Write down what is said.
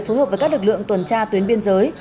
phù hợp với các lực lượng tuần tra tuyến biên giới